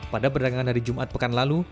pada perdagangan hari jumat pekan lalu